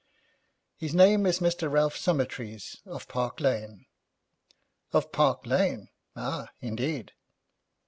'His name is Mr. Ralph Summertrees, of Park Lane.' 'Of Park Lane? Ah, indeed.'